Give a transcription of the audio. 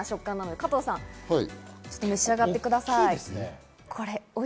加藤さん、召し上がってください。